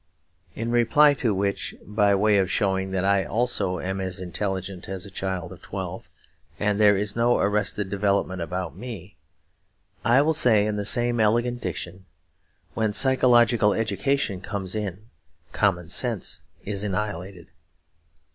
In reply to which, by way of showing that I also am as intelligent as a child of twelve, and there is no arrested development about me, I will say in the same elegant diction, 'When psychological education comes in, common sense is annihilated.'